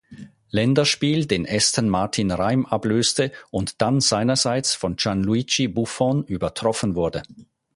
Länderspiel den Esten Martin Reim ablöste und dann seinerseits von Gianluigi Buffon übertroffen wurde.